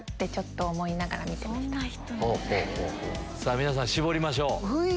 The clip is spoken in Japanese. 皆さん絞りましょう。